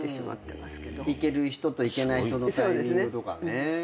行ける人と行けない人のタイミングとかね。